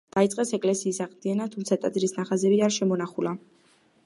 დაიწყეს ეკლესიის აღდგენა, თუმცა ტაძრის ნახაზები არ შემონახულა.